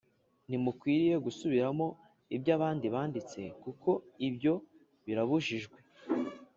Ntimukwiriye gusubiramo ibyo abandi banditse kuko ibyo birabujijwe